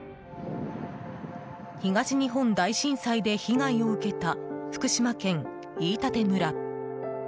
東日本大震災で被害を受けた福島県飯舘村。